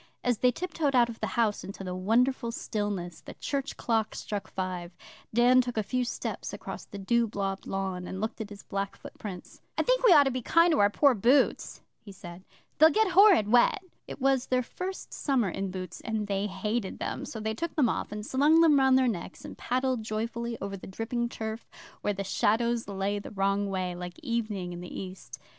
As they tiptoed out of the house into the wonderful stillness, the church clock struck five. Dan took a few steps across the dew blobbed lawn, and looked at his black footprints. 'I think we ought to be kind to our poor boots,' he said. 'They'll get horrid wet.' It was their first summer in boots, and they hated them, so they took them off, and slung them round their necks, and paddled joyfully over the dripping turf where the shadows lay the wrong way, like evening in the East.